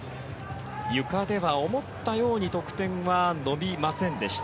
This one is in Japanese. ゆかでは思ったように得点は伸びませんでした。